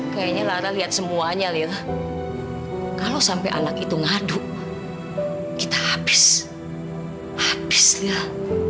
kayaknya lara lihat semuanya kalau sampai anak itu ngaduk kita habis habis lah